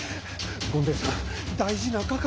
権太夫さん大事なかか。